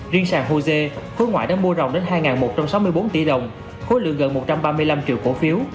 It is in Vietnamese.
riêng sàng hosea khối ngoại đã mua rộng đến hai một trăm sáu mươi bốn tỷ đồng khối lượng gần một trăm ba mươi năm triệu cổ phiếu